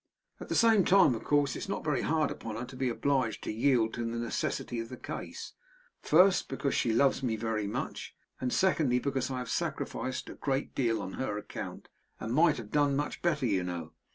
At the same time, of course it's not very hard upon her to be obliged to yield to the necessity of the case; first, because she loves me very much; and secondly, because I have sacrificed a great deal on her account, and might have done much better, you know.